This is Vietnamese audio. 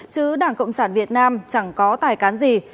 chứ đảng cộng sản việt nam chẳng có tài cán gì